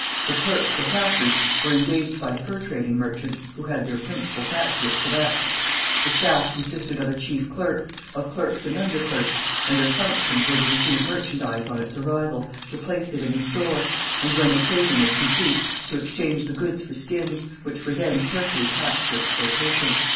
The clerks or factors were engaged by the fur trading merchants who had their principal factory at Quebec. The staff consisted of a chief clerk, of clerks and underclerks; and their functions were to receive merchandise on its arrival, to place it in the store, and when the trading was complete, to exchange the goods for skins, which were then carefully packed for exportation.